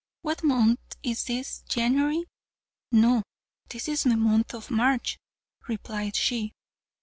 What month is this, January?" "No, this is the month of March," replied she.